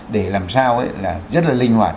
để làm sao rất là linh hoạt